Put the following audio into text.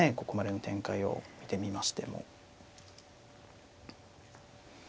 ここまでの展開を見てみましても。